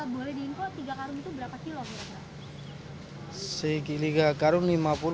boleh diimport tiga karung itu berapa kilo